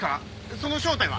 その正体は？